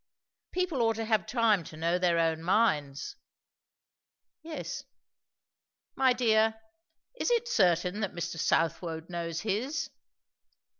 "People ought to have time to know their own minds." "Yes." "My dear, is it certain that Mr. Southwode knows his?"